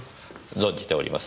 存じております。